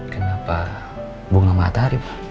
kenapa bunga matahari pak